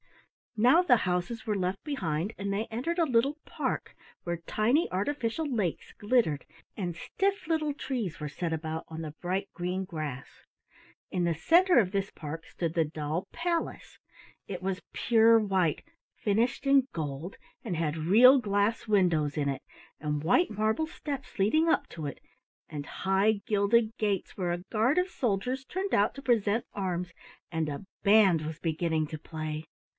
Now the houses were left behind and they entered a little park, where tiny artificial lakes glittered and stiff little trees were set about on the bright green grass. In the center of this park stood the doll palace. It was pure white, finished in gold, and had real glass windows in it, and white marble steps leading up to it, and high gilded gates where a guard of soldiers turned out to present arms, and a band was beginning to play.